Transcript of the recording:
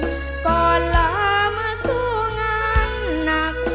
สัญญาต่อดินทิ้นรักก่อนละเมื่อสู้งานหนัก